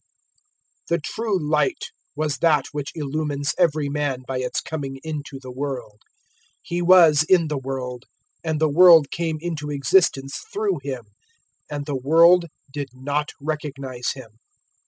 001:009 The true Light was that which illumines every man by its coming into the world. 001:010 He was in the world, and the world came into existence through Him, and the world did not recognize Him.